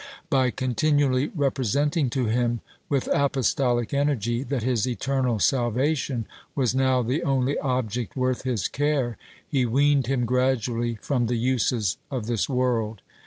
By continually representing to him, with apostolic energy, that his eternal salvation was now the only object worth his care, he weaned him gradually from the uses of this world.